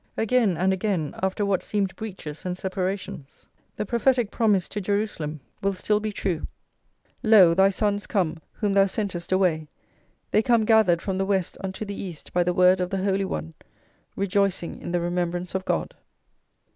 Again and again, after what seemed breaches and separations, the prophetic promise to Jerusalem will still be true: Lo, thy sons come, whom thou sentest away; they come gathered from the west unto the east by the word of the Holy One, rejoicing in the remembrance of God.